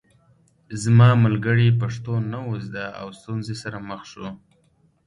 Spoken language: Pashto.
زما ملګري پښتو نه وه زده او ستونزو سره مخ شو